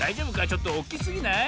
ちょっとおっきすぎない？